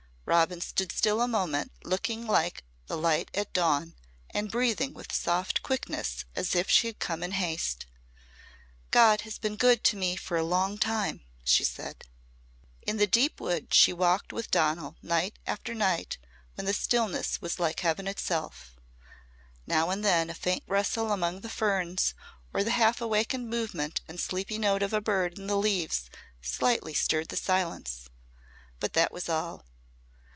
Robin stood still a moment looking like the light at dawn and breathing with soft quickness as if she had come in haste. "God has been good to me for a long time," she said. In the deep wood she walked with Donal night after night when the stillness was like heaven itself. Now and then a faint rustle among the ferns or the half awakened movement and sleepy note of a bird in the leaves slightly stirred the silence, but that was all.